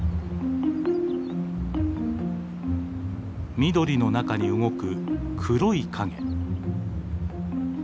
緑の中に動く黒い影。